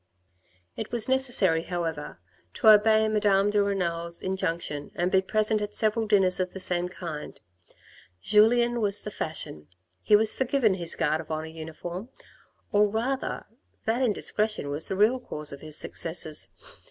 It was necessary, however, to obev Madame de Renal's in MANNERS OF PROCEDURE IN 1830 149 junction and be present at several dinners of the same kind. Julien was the fashion ; he was forgiven his Guard of Honour uniform, or rather that indiscretion was the real cause of his successes.